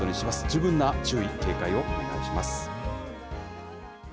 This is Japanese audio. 十分な注意、警戒をお願いします。